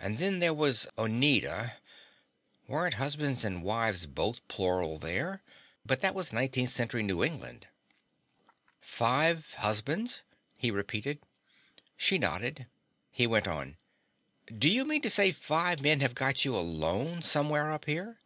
And then there was Oneida (weren't husbands and wives both plural there?) but that was 19th century New England. "Five husbands?" he repeated. She nodded. He went on, "Do you mean to say five men have got you alone somewhere up here?"